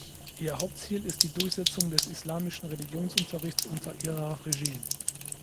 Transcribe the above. Ihr Hauptziel ist die Durchsetzung des islamischen Religionsunterrichts unter ihrer Regie.